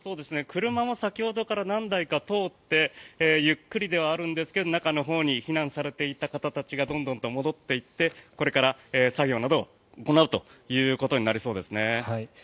車は先ほどから何台か通ってゆっくりではあるんですが中のほうに避難されていた人たちがどんどんと戻っていってこれから作業などを行うということになりそうですね。